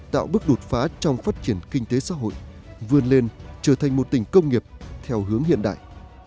tạo bước đột phá trong phát triển kinh tế xã hội vươn lên trở thành một tỉnh công nghiệp theo hướng hiện đại